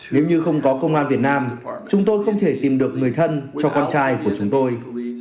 nếu như không có công an việt nam chúng tôi không thể tìm được người thân cho con trai của chúng tôi